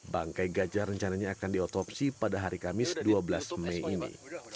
bangkai gajah rencananya akan diotopsi pada hari kamis dua belas mei ini